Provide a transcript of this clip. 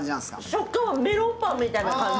食感はメロンパンみたいな感じ。